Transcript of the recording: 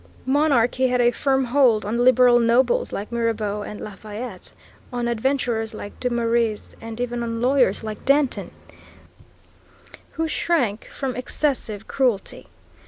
Monarchy had a firm hold on liberal nobles like Mirabeau and Lafayette, on adventurers like Dumouriez, and even on lawyers like Danton who shrank from excessive cruelty.